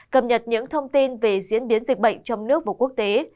cập nhật những thông tin về diễn biến dịch bệnh trong nước và quốc tế